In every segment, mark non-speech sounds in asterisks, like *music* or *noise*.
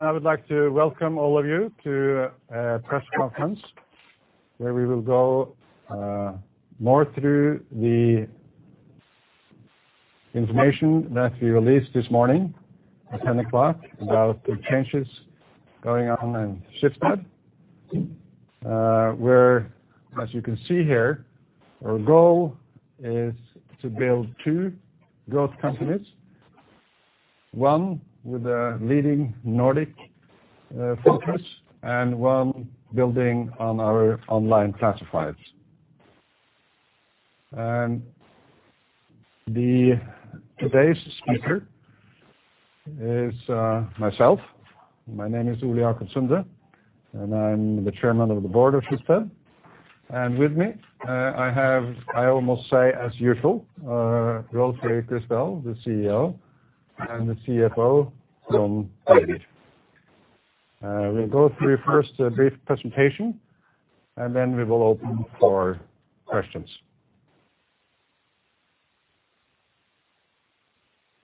I would like to welcome all of you to a press conference where we will go, more through the information that we released this morning at 10 o'clock about the changes going on in Schibsted. Where, as you can see here, our goal is to build two growth companies, one with a leading Nordic, focus and one building on our online classifieds. The today's speaker is myself. My name is Ole Jacob Sunde, and I'm the Chairman of the Board of Schibsted. With me, I have, I almost say as usual, Rolv Erik Ryssdal, the CEO, and the CFO, Trond Berger. We'll go through first a brief presentation, and then we will open for questions.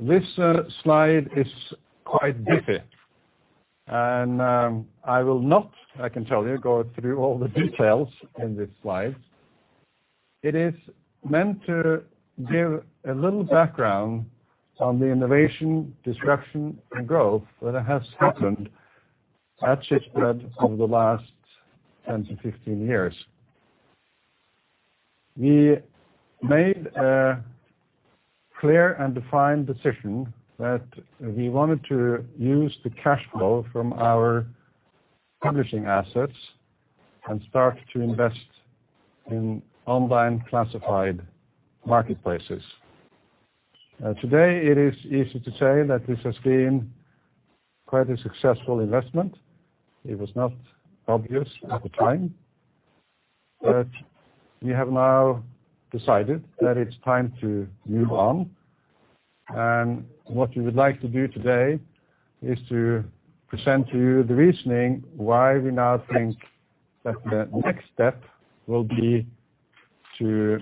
This slide is quite busy, and I will not, I can tell you, go through all the details in this slide. It is meant to give a little background on the innovation, disruption and growth that has happened at Schibsted over the last 10 to 15 years. We made a clear and defined decision that we wanted to use the cash flow from our publishing assets and start to invest in online classified marketplaces. Today, it is easy to say that this has been quite a successful investment. It was not obvious at the time, we have now decided that it's time to move on. What we would like to do today is to present to you the reasoning why we now think that the next step will be to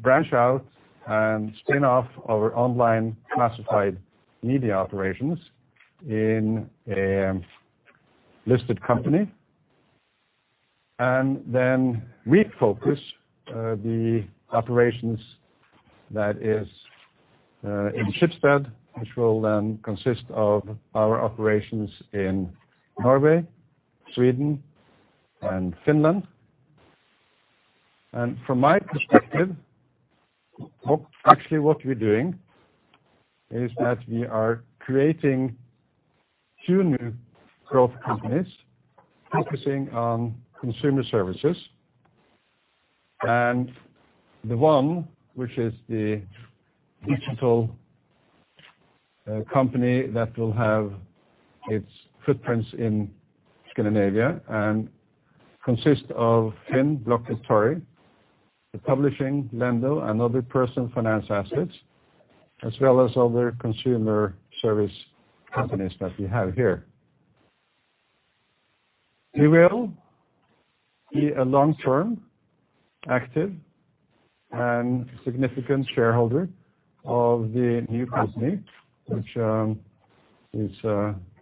branch out and spin off our online classified media operations in a listed company and then refocus the operations that is in Schibsted, which will then consist of our operations in Norway, Sweden, and Finland. From my perspective, actually, what we're doing is that we are creating two new growth companies focusing on consumer services. The one which is the digital company that will have its footprints in Scandinavia and consist of FINN, Blocket and Tori, the publishing, Lendo, and other personal finance assets, as well as other consumer service companies that we have here. We will be a long-term, active and significant shareholder of the new company, which is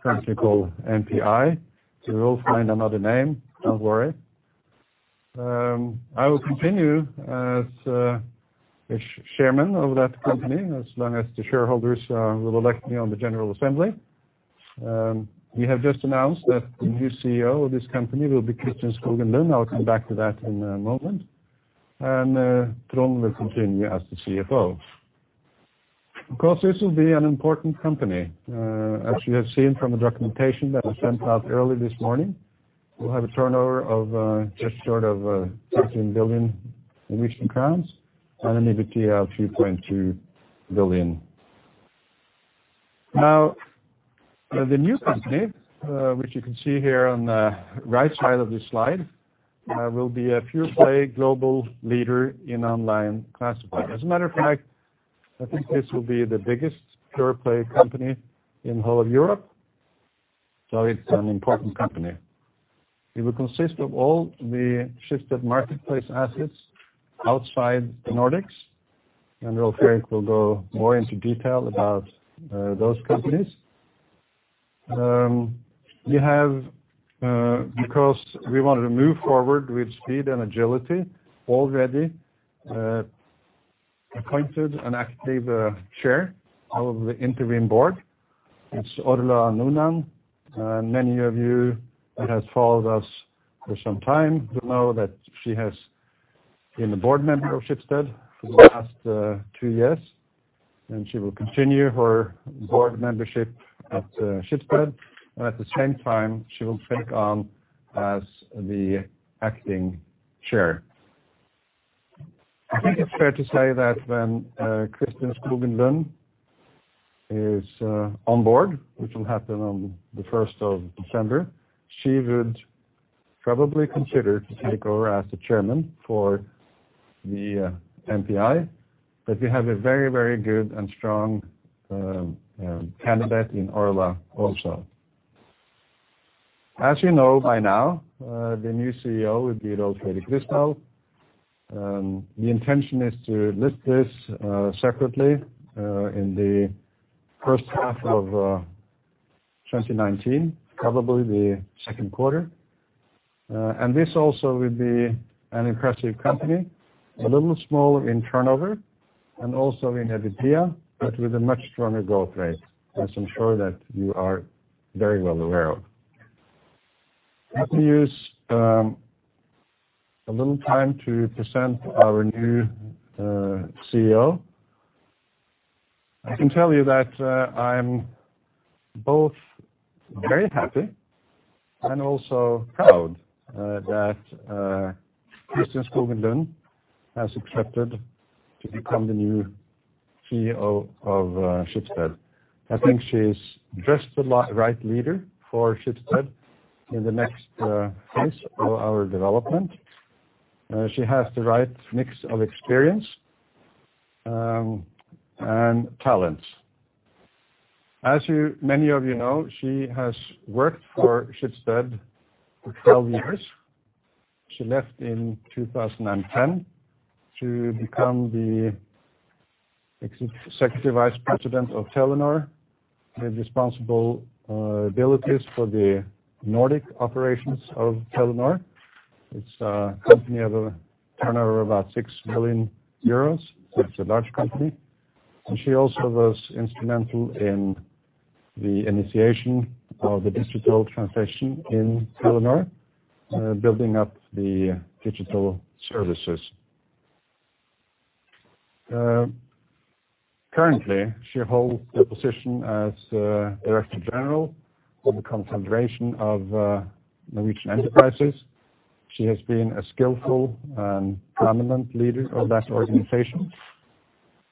currently called MPI. We will find another name. Don't worry. I will continue as chairman of that company as long as the shareholders will elect me on the General Assembly. We have just announced that the new CEO of this company will be Kristin Skogen Lund. I'll come back to that in a moment. Trond will continue as the CFO. Of course, this will be an important company. As you have seen from the documentation that was sent out early this morning, we'll have a turnover of just short of 13 billion and an EBITDA of 2.2 billion. The new company, which you can see here on the right side of this slide, will be a pure-play global leader in online classified. As a matter of fact, I think this will be the biggest pure-play company in whole of Europe. It's an important company. It will consist of all the Schibsted marketplace assets outside the Nordics, and Rolv Erik will go more into detail about those companies. We have, because we want to move forward with speed and agility, already appointed an active chair of the interim board. It's Orla Noonan. Many of you that has followed us for some time will know that she has been a board member of Schibsted for the past two years, and she will continue her board membership at Schibsted. At the same time, she will take on as the acting chair. I think it's fair to say that when Kristin Skogen Lund is on board, which will happen on the 1st of December, she would probably consider to take over as the Chairman for the MPI. We have a very, very good and strong candidate in Orla also. As you know by now, the new CEO will be Antoine Jouteau. The intention is to list this separately in the 1st half of 2019, probably the Q2. This also will be an impressive company, a little small in turnover and also in EBITDA, but with a much stronger growth rate, as I'm sure that you are very well aware of. Let me use a little time to present our new CEO. I can tell you that I'm both very happy and also proud that Kristin Skogen Lund has accepted to become the new CEO of Schibsted. I think she's just the right leader for Schibsted in the next phase of our development. She has the right mix of experience and talents. As you, many of you know, she has worked for Schibsted for 12 years. She left in 2010 to become the Secretary Vice President of Telenor, with responsibilities for the Nordic operations of Telenor. It's a company of a turnover of about 6 million euros. It's a large company. She also was instrumental in the initiation of the digital transition in Telenor, building up the digital services. Currently, she holds the position as director general for the Confederation of Norwegian Enterprises. She has been a skillful and prominent leader of that organization.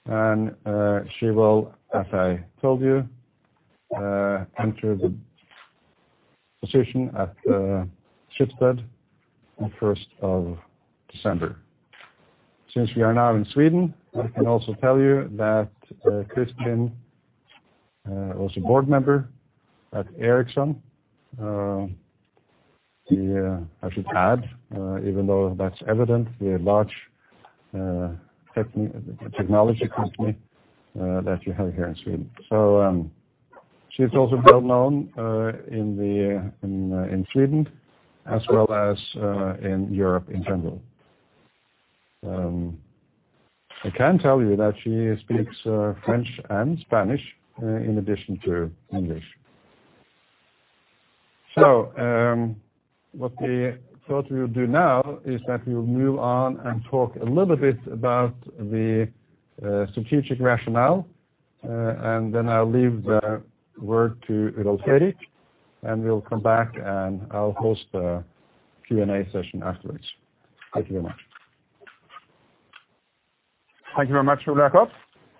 She will, as I told you, enter the position at Schibsted on first of December. Since we are now in Sweden, I can also tell you that Kristin was a board member at Ericsson. Yeah, I should add, even though that's evident, the large technology company that you have here in Sweden. She's also well known in the in Sweden as well as in Europe in general. I can tell you that she speaks French and Spanish in addition to English. What we thought we would do now is that we'll move on and talk a little bit about the strategic rationale, and then I'll leave the word to Rolv Erik, and we'll come back, and I'll host the Q&A session afterwards. Thank you very much. Thank you very much, Jacob.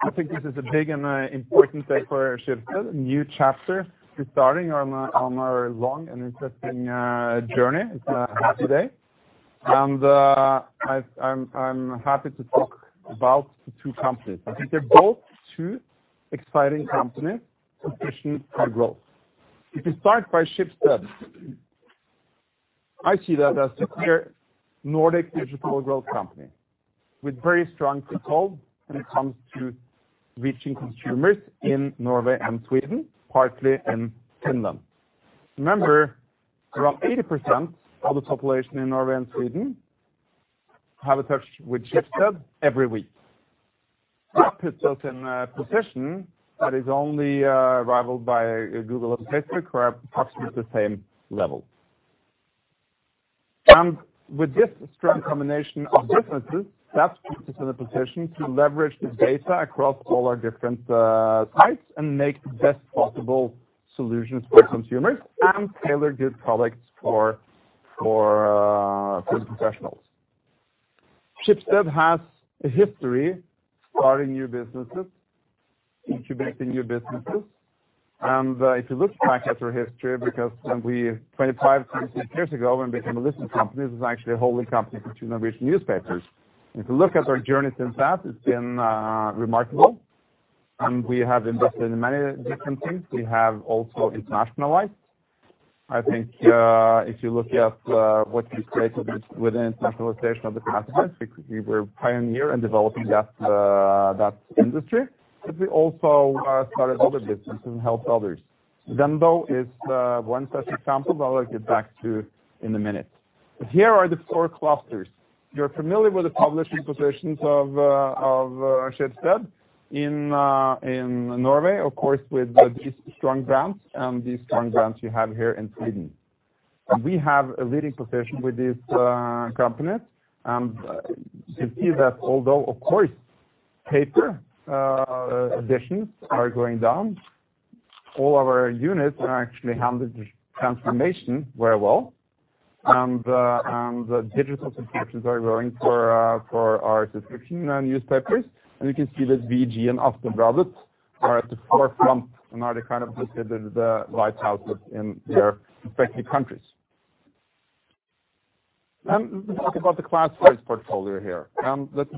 I think this is a big and important day for Schibsted. A new chapter is starting on our long and interesting journey. It's a happy day. I'm happy to talk about the two companies. I think they're both two exciting companies positioned for growth. If you start by Schibsted, I see that as a clear Nordic digital growth company with very strong control when it comes to reaching consumers in Norway and Sweden, partly in Finland. Remember, around 80% of the population in Norway and Sweden have a touch with Schibsted every week. That puts us in a position that is only rivaled by Google and Facebook are approximately the same level. With this strong combination of differences, that puts us in a position to leverage the data across all our different sites and make the best possible solutions for consumers and tailor good products for the professionals. Schibsted has a history starting new businesses, incubating new businesses. If you look back at our history, because when we 25, 26 years ago and became a listed company, this is actually a holding company for two Norwegian newspapers. If you look at our journey since that, it's been remarkable, and we have invested in many different things. We have also internationalized. I think, if you look at what we created within internationalization of the past years, we were pioneer in developing that industry, but we also started other businesses and helped others. Lendo is one such example that I'll get back to in a minute. Here are the four clusters. You're familiar with the publishing positions of Schibsted in Norway, of course, with these strong brands and these strong brands you have here in Sweden. We have a leading position with these companies. You can see that although, of course, paper editions are going down, all our units are actually handled this transformation very well. The digital subscriptions are growing for our subscription and newspapers. You can see that VG and Aftenposten are at the forefront, and are the kind of considered the lighthouse in their respective countries. Let me talk about the classifieds portfolio here. Let's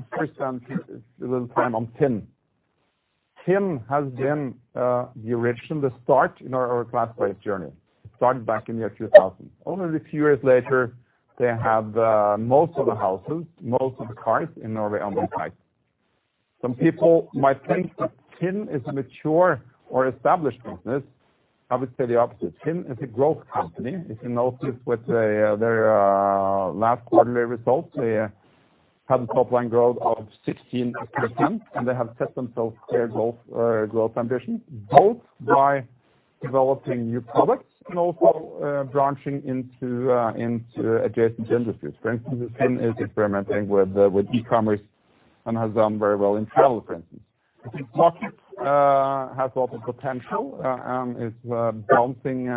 first spend a little time on FINN. FINN has been the original, the start in our classifieds journey. It started back in the year 2000. Only a few years later, they have most of the houses, most of the cars in Norway on their site. Some people might think that FINN is a mature or established business. I would say the opposite. FINN is a growth company. If you notice with the their last quarterly results, they had top line growth of 16%, and they have set themselves clear growth ambition, both by developing new products and also branching into adjacent industries. For instance, FINN is experimenting with e-commerce and has done very well in travel, for instance. I think market has a lot of potential and is bouncing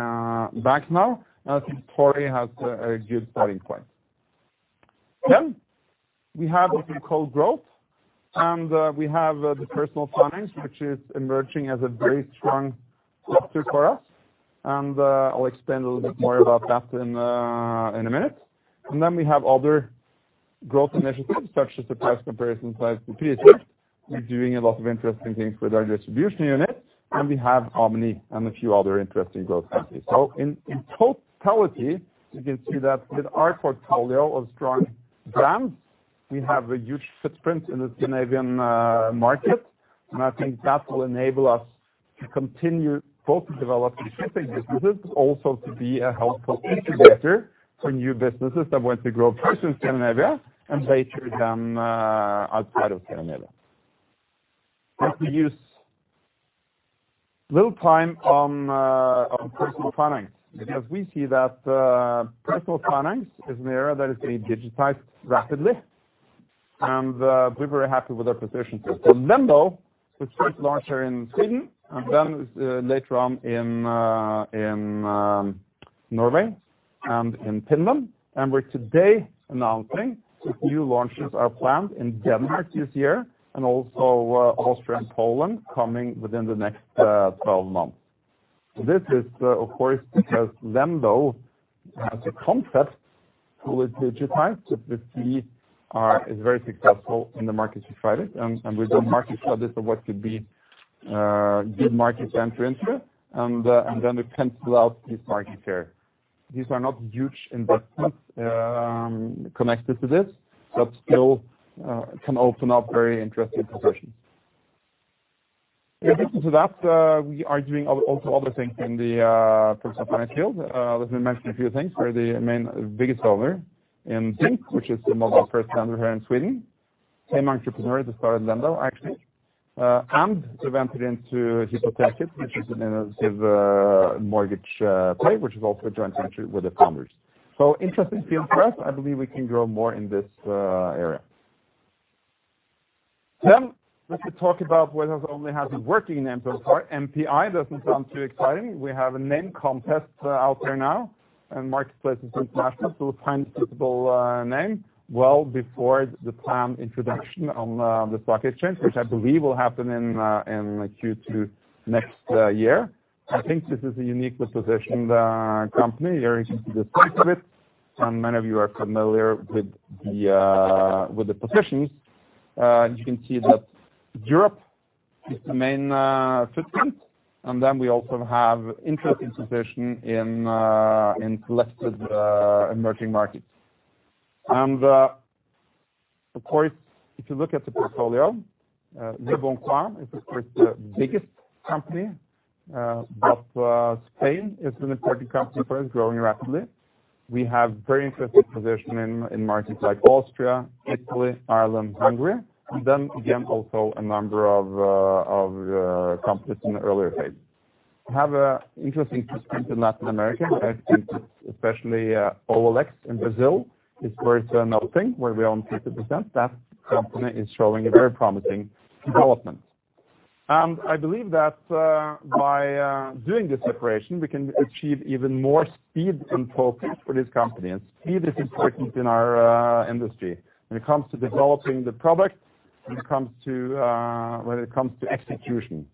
back now. I think Tori has a good starting point. Then we have what we call growth, and we have the personal finance, which is emerging as a very strong cluster for us. I'll explain a little bit more about that in a minute. Then we have other growth initiatives, such as the price comparison site, Prisjakt. We're doing a lot of interesting things with our distribution unit, and we have Omni and a few other interesting growth companies. In totality, you can see that with our portfolio of strong brands, we have a huge footprint in the Scandinavian market. I think that will enable us to continue both to develop existing businesses, but also to be a helpful integrator for new businesses that want to grow first in Scandinavia and later then, outside of Scandinavia. Let me use little time on personal finance because we see that personal finance is an area that is being digitized rapidly, we're very happy with our position. Lendo was first launched here in Sweden later on in Norway and in Finland. We're today announcing new launches are planned in Denmark this year also Austria and Poland coming within the next 12 months. This is, of course, because Lendo has a concept to digitize that we see is very successful in the markets we try it. We've done market studies of what could be good market entrants here, we can roll out this market share. These are not huge investments connected to this, still can open up very interesting positions. In addition to that, we are doing also other things in the personal finance field. Let me mention a few things. We're the biggest owner in Tink, which is the mobile first lender here in Sweden. Same entrepreneur that started Lendo, actually. We've entered into Hypoteket, which is an innovative mortgage play, which is also a joint venture with the founders. Interesting field for us. I believe we can grow more in this area. Let me talk about what has only been working name so far. MPI doesn't sound too exciting. We have a name contest out there now, Marketplaces International will find suitable name well before the planned introduction on the stock exchange, which I believe will happen in Q2 next year. I think this is a uniquely positioned company. Here you can see the size of it, and many of you are familiar with the with the positions. You can see that Europe is the main footprint, then we also have interesting position in selected emerging markets. Of course, if you look at the portfolio, Leboncoin is of course the biggest company. Spain is an important country for us, growing rapidly. We have very interesting position in markets like Austria, Italy, Ireland, Hungary. Then again, also a number of companies in the earlier phase. We have an interesting footprint in Latin America. I think especially OLX in Brazil is worth noting, where we own 50%. That company is showing a very promising development. I believe that, by doing this separation, we can achieve even more speed and focus for this company. Speed is important in our industry when it comes to developing the products, when it comes to execution.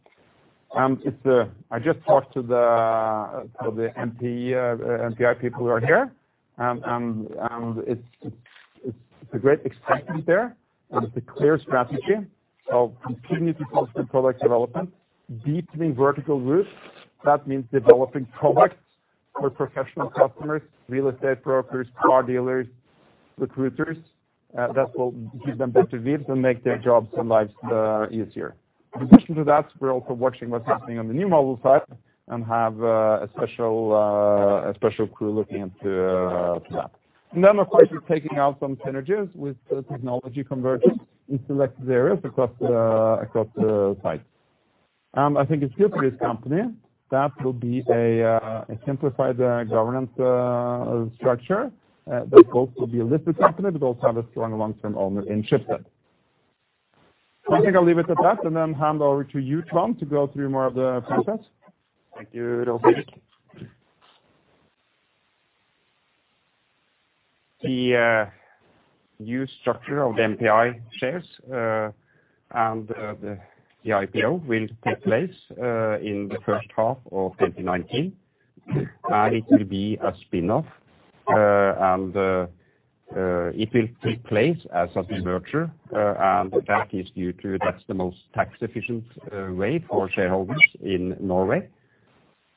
It's, I just talked to the MPI people who are here, and it's a great excitement there. It's a clear strategy of continued focus on product development, deepening vertical roots. That means developing products for professional customers, real estate brokers, car dealers, recruiters. That will give them better views and make their jobs and lives easier. In addition to that, we're also watching what's happening on the New Model side and have a special crew looking into that. Of course, we're taking out some synergies with the technology conversions in selected areas across the sites. I think it's good for this company. That will be a simplified governance structure that both will be a listed company, but also have a strong long-term owner in Schibsted. I think I'll leave it at that and hand over to you, Trond, to go through more of the process. Thank you, Rolv Erik. The structure of the MPI shares, and the IPO will take place in the first half of 2019. It will be a spin-off, and it will take place as a demerger, and that is due to that's the most tax-efficient way for shareholders in Norway.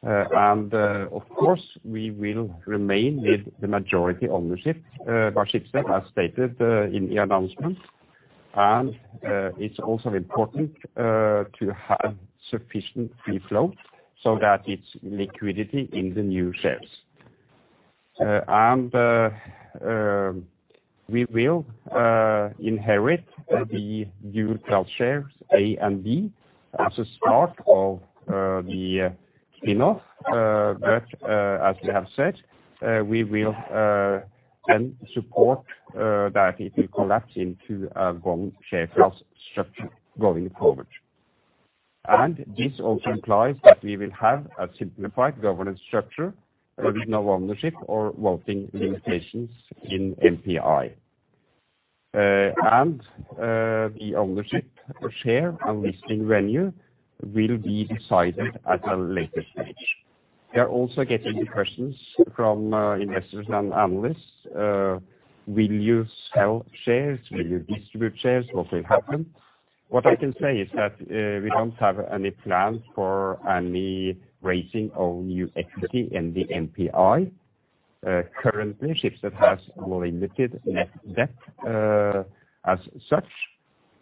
Of course, we will remain with the majority ownership by Schibsted, as stated in the announcement. It's also important to have sufficient free flow so that it's liquidity in the new shares. We will inherit the dual-class shares A and B as a part of the spin-off. As we have said, we will then support that it will collapse into a wrong share class structure going forward. This also implies that we will have a simplified governance structure. There is no ownership or voting limitations in MPI. The ownership share and listing venue will be decided at a later stage. We are also getting questions from investors and analysts. Will you sell shares? Will you distribute shares? What will happen? What I can say is that we don't have any plans for any raising of new equity in the MPI. Currently, Schibsted has more limited net debt, as such,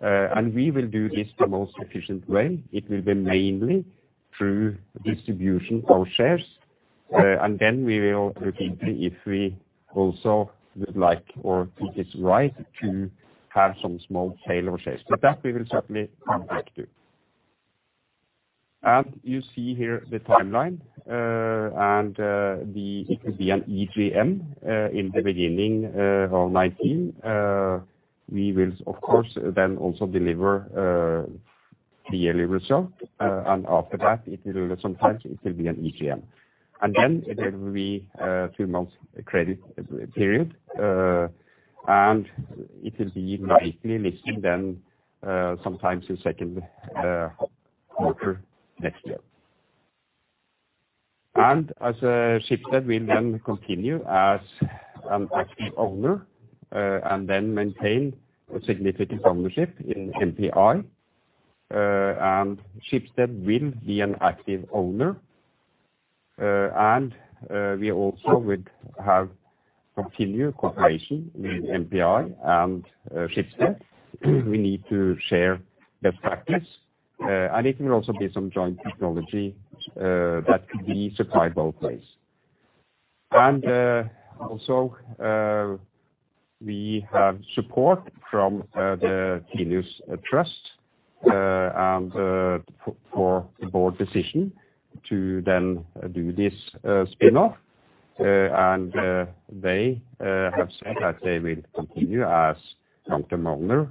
and we will do this the most efficient way. It will be mainly through distribution of shares. Then we will repeat if we also would like or think it's right to have some small sale of shares. That we will certainly come back to. You see here the timeline, it will be an EGM in the beginning of 2019. We will of course then also deliver the yearly result. After that, sometime it will be an EGM. Then there will be a two months credit period, and it will be likely listed then sometime in Q2 next year. As Schibsted will then continue as an active owner and then maintain a significant ownership in MPI. Schibsted will be an active owner. We also would have continued cooperation with MPI and Schibsted. We need to share best practice. It will also be some joint technology that could be supplied both ways. Also, we have support from the Tinius Trust, and for the board decision to then do this spin-off. They have said that they will continue as long-term owner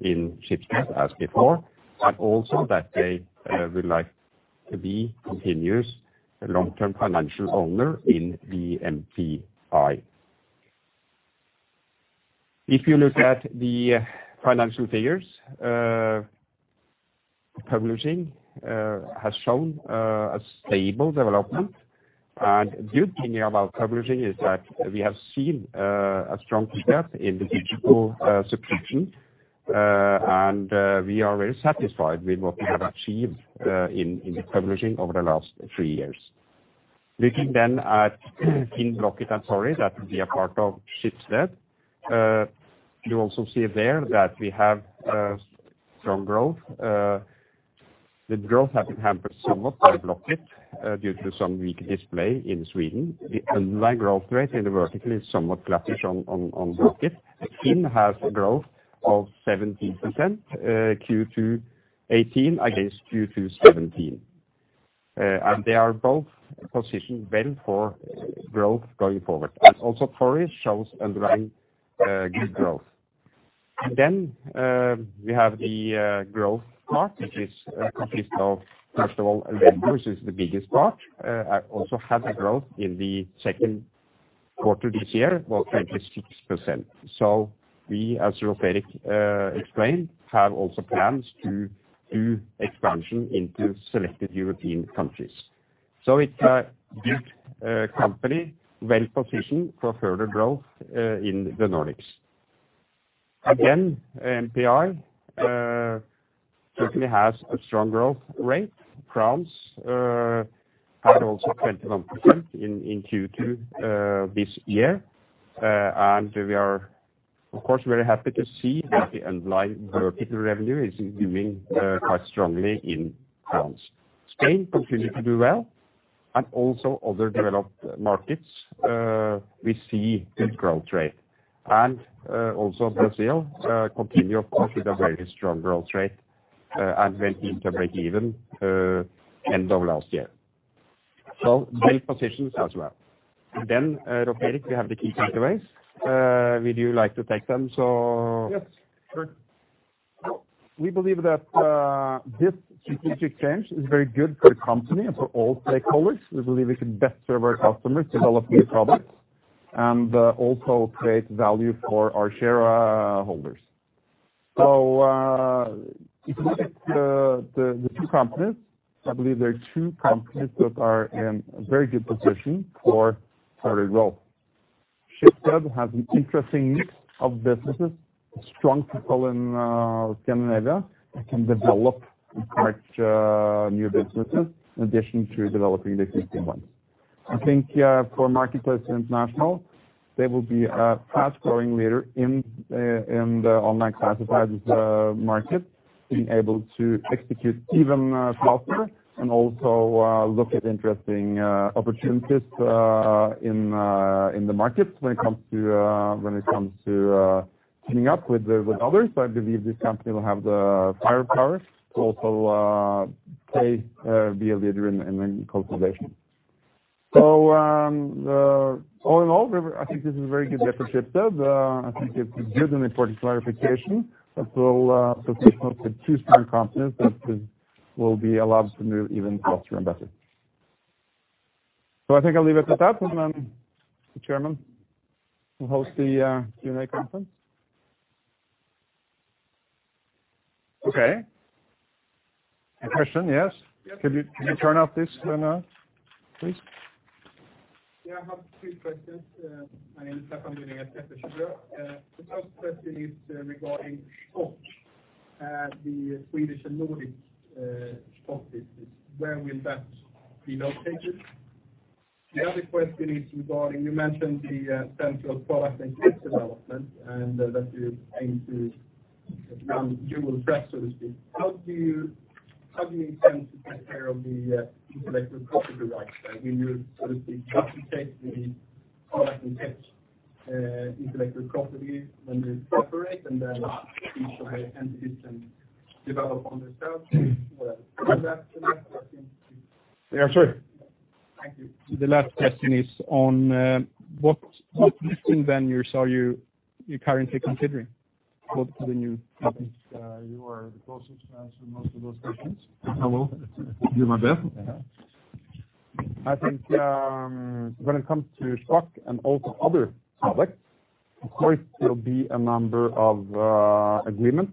in Schibsted as before, but also that they would like to be continuous long-term financial owner in the MPI. If you look at the financial figures, publishing has shown a stable development. The good thing about publishing is that we have seen a strong step in the digital subscription. We are very satisfied with what we have achieved in the publishing over the last three years. Looking then at FINN, Blocket and Tori that will be a part of Schibsted. You also see there that we have strong growth. The growth has been hampered somewhat by Blocket, due to some weak display in Sweden. The underlying growth rate in the vertical is somewhat flattish on Blocket. FINN has a growth of 70%, Q2 2018 against Q2 2017. They are both positioned well for growth going forward. Tori shows underlying good growth. We have the growth part, which is a consist of first of all, Vend is the biggest part, also has a growth in the Q2 this year, about 26%. We, as Rolv Erik, explained, have also plans to do expansion into selected European countries. It's a big company, well-positioned for further growth in the Nordics. Again, MPI certainly has a strong growth rate. France had also 21% in Q2 this year. We are of course, very happy to see that the underlying vertical revenue is doing quite strongly in France. Spain continued to do well, also other developed markets, we see good growth rate. Also Brazil, continue, of course, with a very strong growth rate, and went into break even end of last year. Great positions as well. Rolv Erik, we have the key takeaways. Would you like to take them? Yes, sure. We believe that this strategic change is very good for the company and for all stakeholders. We believe we can best serve our customers, develop new products, and also create value for our shareholders. If you look at the two companies, I believe there are two companies that are in very good position for further growth. Schibsted has an interesting mix of businesses, strong people in Scandinavia that can develop and launch new businesses in addition to developing the existing ones. I think for Marketplaces International, they will be a fast-growing leader in the online classifieds market, being able to execute even faster and also look at interesting opportunities in the markets when it comes to teaming up with others. I believe this company will have the firepower to also play, be a leader in any consolidation. All in all, I think this is a very good day for Schibsted. I think it's good and important clarification that will position us with two strong companies that will be allowed to move even faster and better. I think I'll leave it at that, and then the chairman will host the Q&A conference. Okay. A question, yes. Can you turn off this, Lena, please? Yeah, I have two questions. My name is. *audio distortion* The first question is regarding stock at the Swedish and Nordic stock business. Where will that be located? The other question is regarding, you mentioned the central product and tech development, and that you aim to run dual track, so to speak. How do you intend to take care of the intellectual property rights? I mean, you sort of take the product and tech intellectual property when you separate, and then each entity can develop on their own. What is that? Yeah, sure. Thank you. The last question is on what listing venues are you currently considering for the new companies? You are the closest to answer most of those questions. I will do my best. I think when it comes to stock and also other products, of course there'll be a number of agreements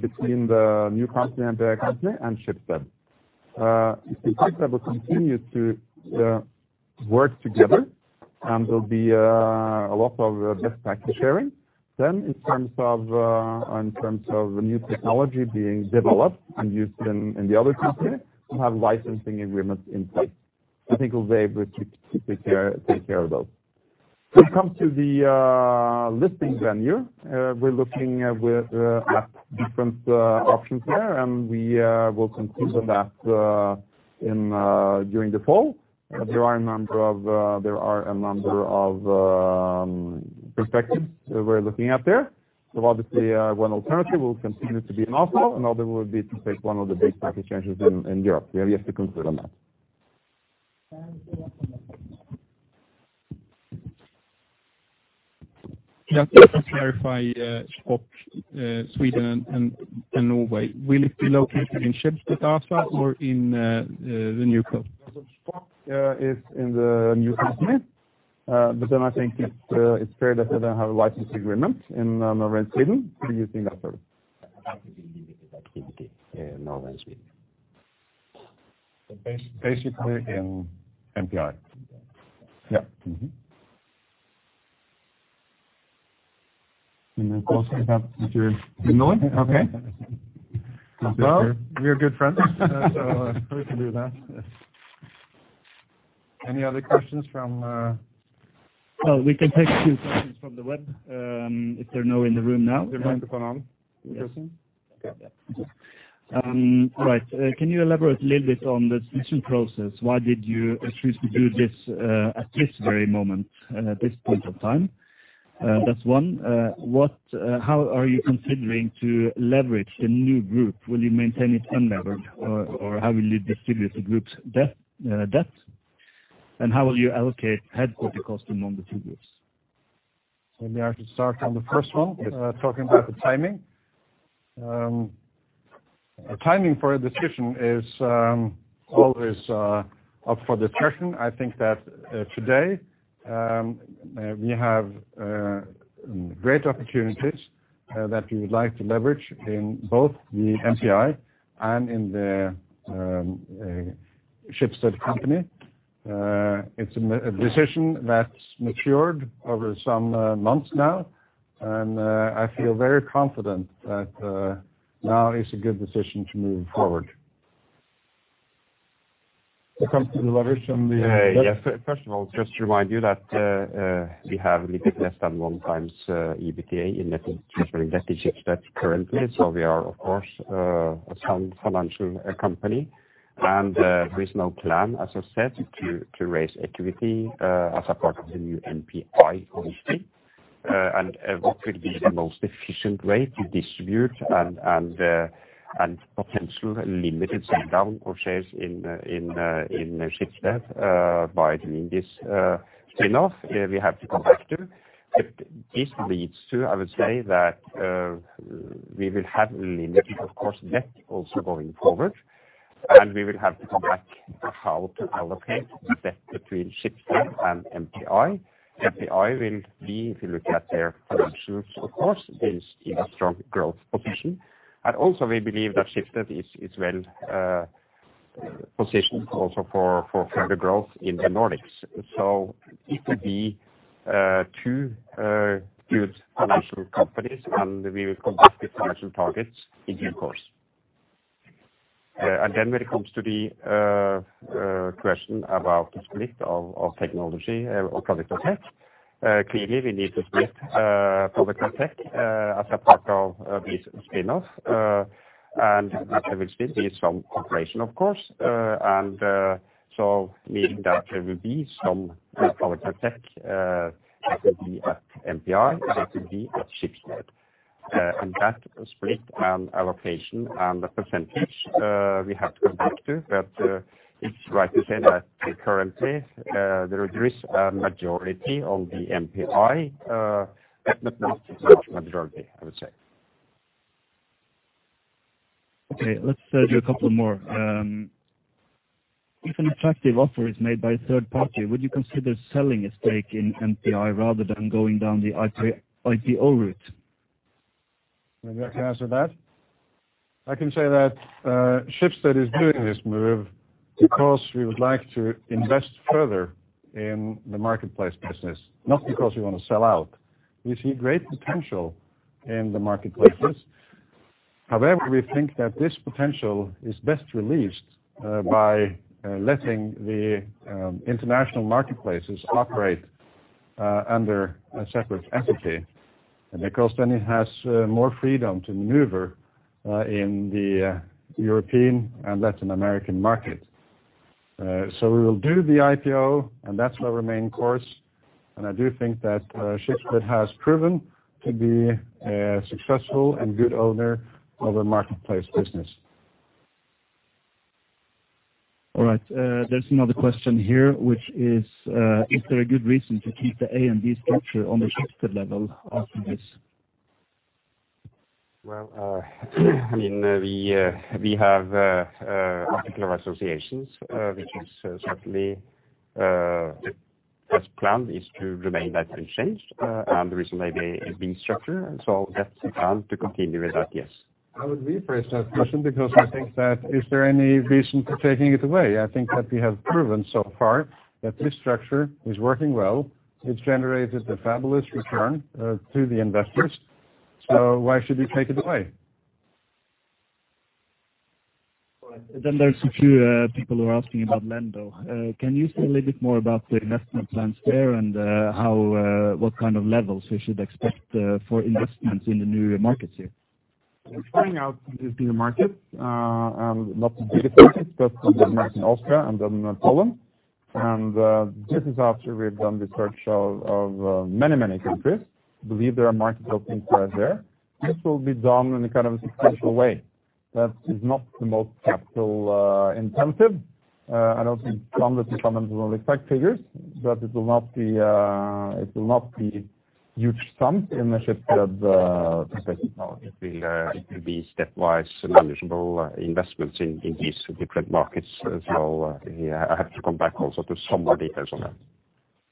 between the new company and the company and Schibsted. I think Schibsted will continue to work together, and there'll be a lot of best practice sharing. In terms of new technology being developed and used in the other company, we'll have licensing agreements in place. I think we'll be able to take care of those. When it comes to the listing venue, we're looking at different options there, and we will conclude on that during the fall. There are a number of perspectives we're looking at there. Obviously, one alternative will continue to be an offer. Another will be to take one of the big market changes in Europe. We are yet to conclude on that. Just to clarify, stock, Sweden and Norway, will it be located in Schibsted or in the new co? Stock is in the new company. I think it's fair that they don't have a license agreement in Norway and Sweden. Do you think that's fair? I think we leave it as it is in Norway and Sweden. Basically in MPI. Yeah. Close this up with your good noise. Okay. We are good friends, so we can do that. Any other questions from? We can take a few questions from the web, if they're no in the room now. You're going to phone on? Yes. Okay. Right. Can you elaborate a little bit on the decision process? Why did you choose to do this, at this very moment, at this point of time? That's one. What, how are you considering to leverage the new group? Will you maintain it unlevered or how will you distribute the group's debt? How will you allocate headquarter cost among the two groups? Maybe I should start on the first one, talking about the timing. Our timing for a decision is always up for discussion. I think that today, we have great opportunities that we would like to leverage in both the MPI and in the Schibsted company. It's a decision that's matured over some months now, and I feel very confident that now is a good decision to move forward. When it comes to the leverage on the- Yeah, first of all, just to remind you that we have a little less than 1x EBITDA in net debt versus Schibsted debt currently. We are, of course, a sound financial company. There is no plan, as I said, to raise equity as a part of the new MPI obviously. What will be the most efficient way to distribute and potential limited sell down of shares in in in Schibsted by doing this spin-off we have to come back to. This leads to, I would say that we will have limited, of course, debt also going forward. And we will have to come back how to allocate the debt between Schibsted and MPI. MPI will be, if you look at their productions, of course, is in a strong growth position. Also we believe that Schibsted is well positioned for further growth in the Nordics. It will be two good financial companies, and we will conduct the financial targets in due course. Then when it comes to the question about the split of technology or Product & Tech, clearly we need to split Product & Tech as a part of this spin-off. There will still be some cooperation, of course. Meaning that there will be some Product & Tech that will be at MPI and that will be at Schibsted. That split and allocation and the percentage we have to conduct to. It's right to say that currently, there is a majority on the MPI, but not such majority, I would say. Okay, let's do a couple more. If an attractive offer is made by a third party, would you consider selling a stake in MPI rather than going down the IP-IPO route? May I answer that? I can say that Schibsted is doing this move because we would like to invest further in the marketplace business, not because we wanna sell out. We see great potential in the marketplace. However, we think that this potential is best released by letting the international marketplaces operate under a separate entity. Because then it has more freedom to maneuver in the European and Latin American market. We will do the IPO, and that's our main course. I do think that Schibsted has proven to be a successful and good owner of a marketplace business. All right. There's another question here which is there a good reason to keep the A and B structure on the Schibsted level after this? Well, I mean, we have, article of associations, which is certainly, as planned, is to remain that unchanged, and the reason maybe is being structured. That's the plan to continue with that, yes. I would rephrase that question because I think that is there any reason for taking it away? I think that we have proven so far that this structure is working well. It's generated a fabulous return, to the investors. Why should we take it away? All right. There's a few people who are asking about Lendo. Can you say a little bit more about the investment plans there and how what kind of levels we should expect for investments in the new markets here? We're starting out in these new markets, and not the biggest markets, but we're starting in Austria and then Poland. This is after we've done this search of many countries. Believe there are market openings right there. This will be done in a kind of a sequential way that is not the most capital intensive. I don't think some of you will expect figures, but it will not be huge NOK sum in the Schibsted perspective. It will be stepwise manageable investments in these different markets as well. Yeah, I have to come back also to some more details on that.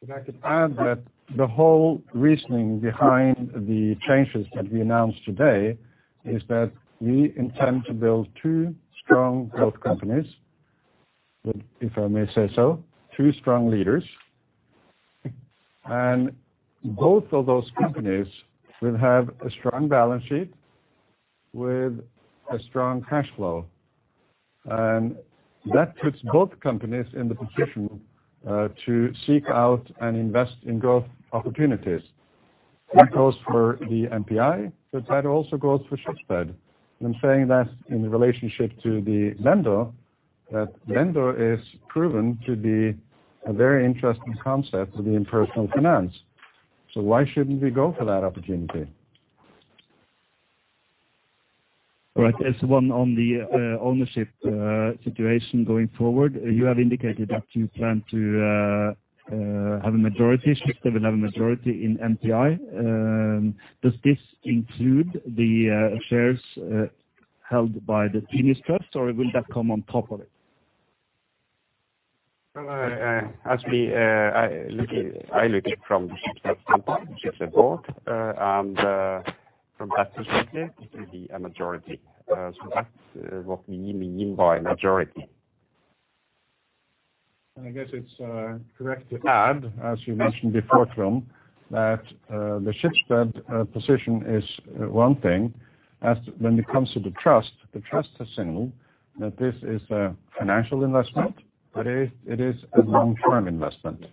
If I could add that the whole reasoning behind the changes that we announced today is that we intend to build two strong growth companies with, if I may say so, two strong leaders. Both of those companies will have a strong balance sheet with a strong cash flow. That puts both companies in the position to seek out and invest in growth opportunities. That goes for the MPI, but that also goes for Schibsted. I'm saying that in relationship to the Lendo, that Lendo is proven to be a very interesting concept in personal finance. Why shouldn't we go for that opportunity? All right. There's one on the ownership situation going forward. You have indicated that you plan to have a majority, Schibsted will have a majority in MPI. Does this include the shares held by the Tinius Trust, or will that come on top of it? Well, I look it from the Schibsted standpoint, Schibsted board, and from that perspective, it will be a majority. That's what we mean by majority. I guess it's correct to add, as you mentioned before, Trond, that the Schibsted position is one thing. When it comes to the Trust, the Trust has signaled that this is a financial investment, it is a long-term investment.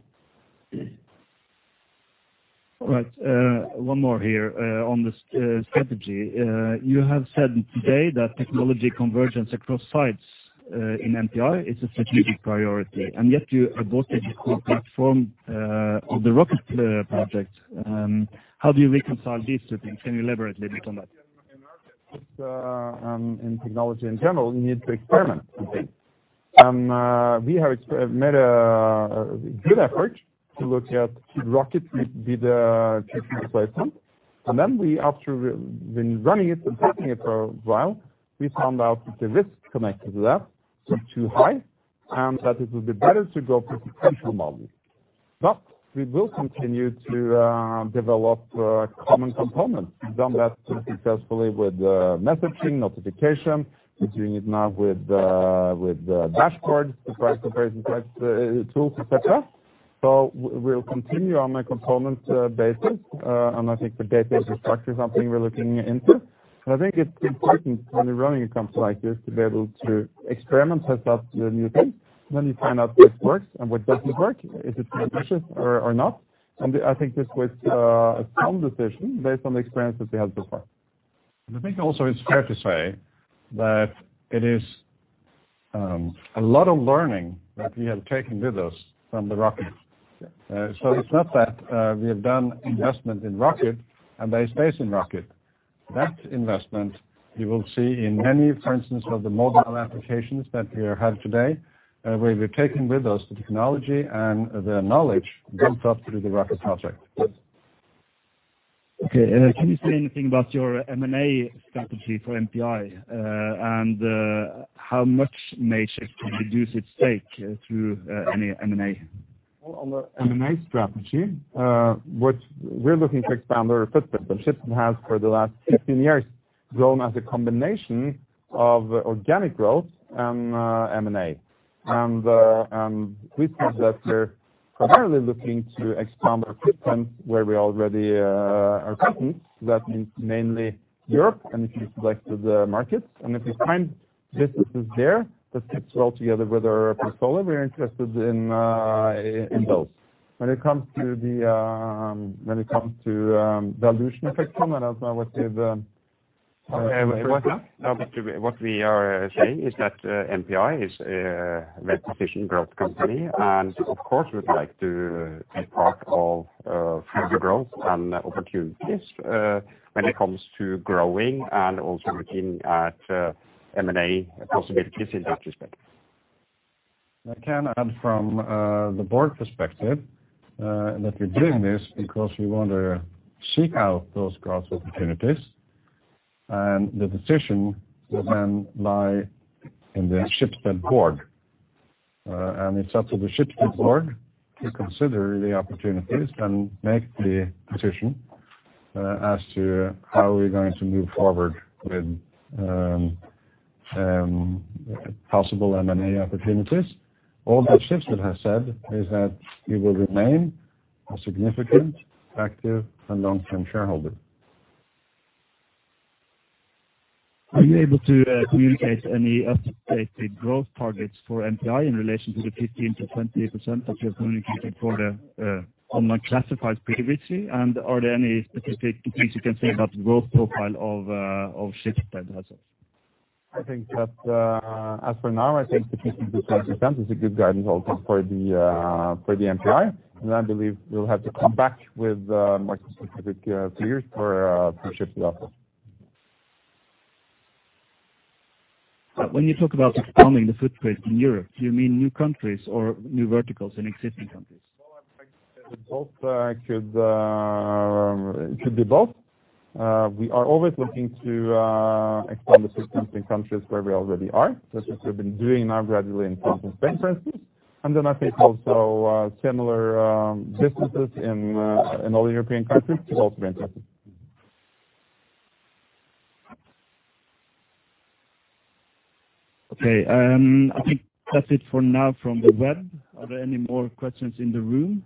Right. One more here. On the strategy. You have said today that technology convergence across sites in MPI is a strategic priority, and yet you aborted the platform of the Rocket project. How do you reconcile these two things? Can you elaborate a little bit on that? In technology in general, you need to experiment with things. We have made a good effort to look at Rocket with the replacement. Then we when running it and testing it for a while, we found out that the risk connected to that was too high, and that it would be better to go with the potential model. We will continue to develop common components. We've done that successfully with messaging, notification. We're doing it now with dashboard, the price comparison types, tools, et cetera. We'll continue on a component basis. I think the database structure is something we're looking into. I think it's important when you're running a company like this to be able to experiment, test out new things. You find out what works and what doesn't work. Is it too ambitious or not? I think this was a sound decision based on the experience that we had so far. I think also it's fair to say that it is, a lot of learning that we have taken with us from the Rocket. So it's not that, we have done investment in Rocket and based business in Rocket. That investment you will see in many, for instance, of the mobile applications that we have today, where we've taken with us the technology and the knowledge built up through the Rocket project. Okay. Can you say anything about your M&A strategy for MPI, and how much may Schibsted reduce its stake through any M&A? On the M&A strategy, what we're looking to expand our footprint. Schibsted has for the last 15 years grown as a combination of organic growth and M&A. We think that we're primarily looking to expand our footprint where we already are present. That means mainly Europe and a few selected markets. If we find businesses there that fits well together with our portfolio, we are interested in those. When it comes to the, when it comes to dilution effect, Simon, I don't know what is. What we are saying is that MPI is a very efficient growth company. Of course, we'd like to take part of future growth and opportunities when it comes to growing and also looking at M&A possibilities in that respect. I can add from the board perspective that we're doing this because we want to seek out those growth opportunities. The decision will then lie in the Schibsted board. It's up to the Schibsted board to consider the opportunities and make the decision as to how we're going to move forward with possible M&A opportunities. All that Schibsted has said is that it will remain a significant, active, and long-term shareholder. Are you able to, communicate any updated growth targets for MPI in relation to the 15%-20% that you're communicating for the, online classifieds previously? Are there any specific things you can say about the growth profile of Schibsted itself? I think that, as for now, I think the 15%-20% is a good guidance also for the, for the MPI. I believe we'll have to come back with, more specific, figures for Schibsted also. When you talk about expanding the footprint in Europe, do you mean new countries or new verticals in existing countries? Well, I'm trying to say both, could be both. We are always looking to expand the footprint in countries where we already are, just as we've been doing now gradually in France for instance. I think also, similar businesses in other European countries could also be interesting. I think that's it for now from the web. Are there any more questions in the room?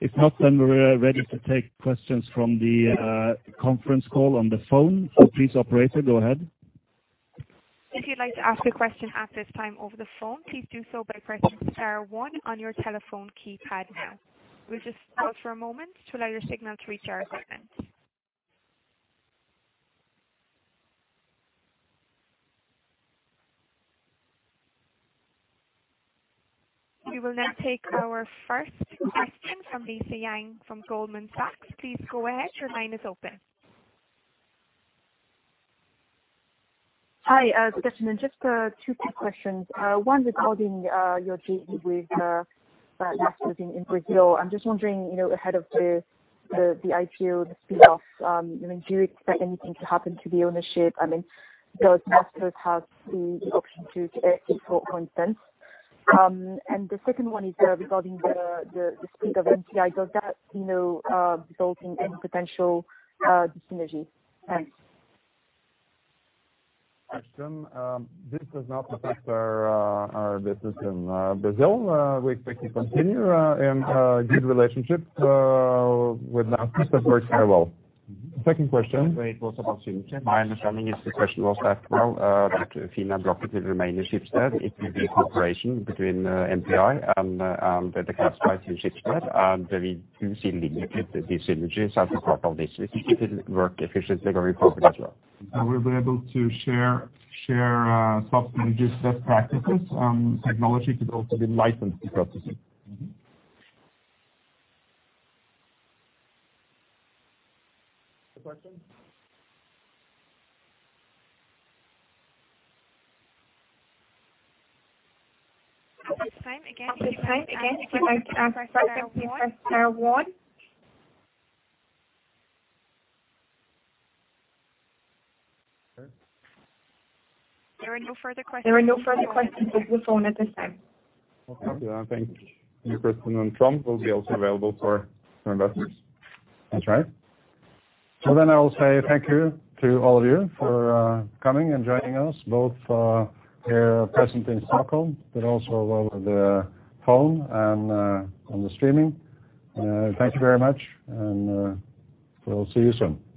If not, we're ready to take questions from the conference call on the phone. Please, operator, go ahead. If you'd like to ask a question at this time over the phone, please do so by pressing star one on your telephone keypad now. We'll just pause for a moment to allow your signal to reach our equipment. We will now take our first question from Lisa Yang from Goldman Sachs. Please go ahead. Your line is open. Hi, good afternoon. Just two quick questions. One regarding your JV with Naspers in Brazil. I'm just wondering, you know, ahead of the IPO, the spin-off, I mean, do you expect anything to happen to the ownership? I mean, does Naspers have the option to exit, for instance? The second one is regarding the split of MPI. Does that, you know, result in any potential dis-synergy? Thanks. Question. This does not affect our business in Brazil. We expect to continue in a good relationship with Naspers. That works very well. The second question. Wait. It was about FinTech. My understanding is the question was, as well, that Finland Rocket will remain in Schibsted. It will be a cooperation between MPI and the classifieds in Schibsted. We do see limited dis-synergies as a part of this. It will work efficiently going forward as well. We'll be able to share, best managers, best practices, and technology could also be licensed because of it. At this time, again, if you would like to ask a question, please press star one. There are no further questions on the phone at this time. Okay. I think your question on Trump will be also available for our investors. That's right. I will say thank you to all of you for coming and joining us, both here present in Stockholm, but also over the phone and on the streaming. Thank you very much, and we'll see you soon. Thanks.